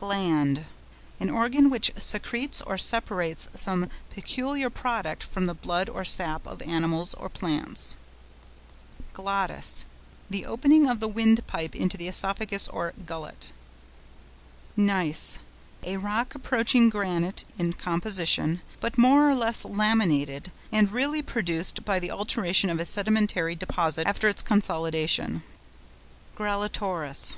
GLAND.—An organ which secretes or separates some peculiar product from the blood or sap of animals or plants. GLOTTIS.—The opening of the windpipe into the œsophagus or gullet. GNEISS.—A rock approaching granite in composition, but more or less laminated, and really produced by the alteration of a sedimentary deposit after its consolidation. GRALLATORES.